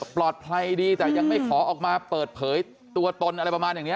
ปลอดภัยดีแต่ยังไม่ขอออกมาเปิดเผยตัวตนอะไรประมาณอย่างนี้